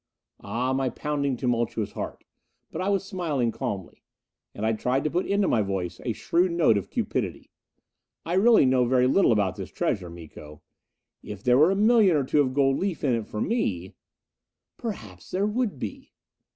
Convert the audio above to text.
Ah, my pounding, tumultuous heart! But I was smiling calmly. And I tried to put into my voice a shrewd note of cupidity. "I really know very little about this treasure, Miko. If there were a million or two of gold leaf in it for me " "Perhaps there would be."